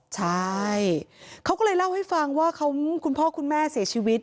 ใช่เขาก็เลยเล่าให้ฟังว่าคุณพ่อคุณแม่เสียชีวิต